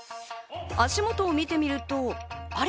足元を見てみると、あれ？